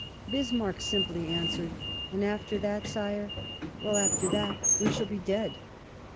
59 Bismarck Bismarck simply answered, " And after that, sire ?"" Well, after that we shall be dead."